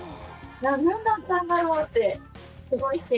何だったんだろうって確かにね。